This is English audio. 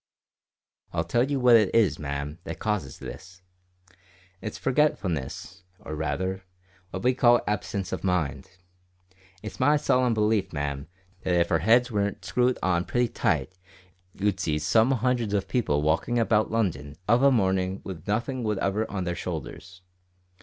"I'll tell you what it is, ma'am, that causes this it's forgetfulness, or rather, what we call absence of mind. It's my solemn belief, ma'am, that if our heads warn't screwed on pretty tight you'd see some hundreds of people walkin' about London of a mornin' with nothin' whatever on their shoulders.